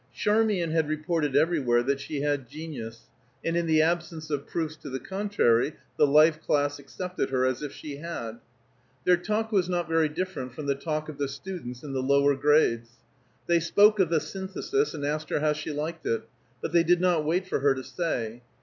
Charmian had reported everywhere that she had genius, and in the absence of proofs to the contrary the life class accepted her as if she had. Their talk was not very different from the talk of the students in the lower grades. They spoke of the Synthesis, and asked her how she liked it, but they did not wait for her to say.